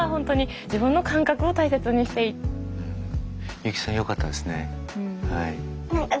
ユキさんよかったですね。